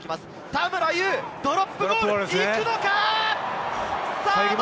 田村優、ドロップゴール、行くのか？